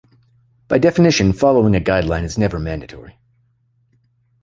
By definition, following a guideline is never mandatory.